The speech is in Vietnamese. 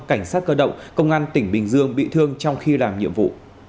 cảnh sát cơ động công an tỉnh bình dương bị thương trong khi làm nhiệm vụ